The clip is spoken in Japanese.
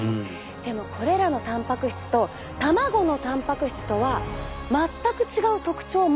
でもこれらのたんぱく質と卵のたんぱく質とは全く違う特徴を持っているんです。